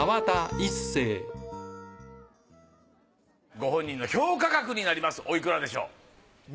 ご本人の評価額になりますおいくらでしょう？